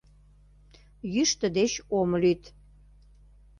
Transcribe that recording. Йӱштӧ деч ом лӱд.